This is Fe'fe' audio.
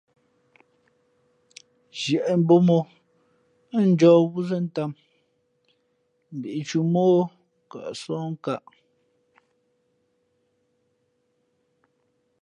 Zhiēʼ mbō mó ά njǒh yo wúzᾱ tām mbīʼtǔmά o kαʼsóh nkāʼ.